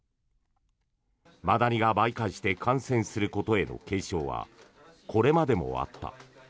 マダニが媒介して感染することへの警鐘はこれまでもあった。